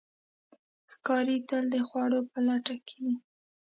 ښکاري تل د خوړو په لټه کې وي.